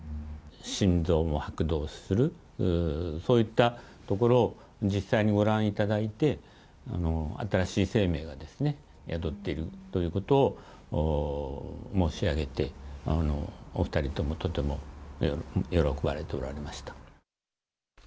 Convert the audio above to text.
心臓も拍動する、そういったところを実際にご覧いただいて、新しい生命が宿っているということを申し上げて、お２人ともとても喜ばれておられました。